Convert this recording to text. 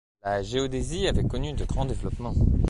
La géodésie avait connu de grands développements.